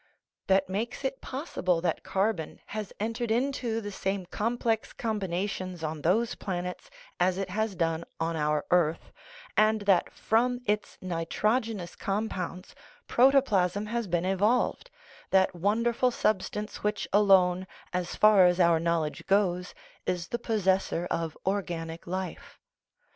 That makes it possible that carbon has entered into the same complex combinations on those planets as it has done on our earth, and that from its nitrogenous compounds protoplasm has been evolved that wonderful substance which alone, as far as our knowledge goes, is the possessor of organic life.